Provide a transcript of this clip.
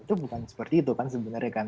itu bukan seperti itu kan sebenarnya kan